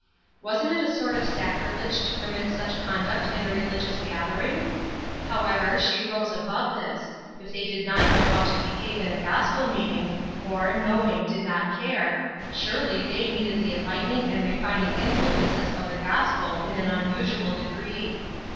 Wasn't it a sort of sacrilege to permit such con duct in a religious gathering ? However, she rose above this ; if they did not know how to behave in a gospel meeting, or, knowing, did not care, surely they needed the enlightening and refining influences of the gospel in an unusual degree.